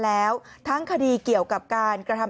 คุณผู้ชมฟังเสียงผู้หญิง๖ขวบโดนนะคะ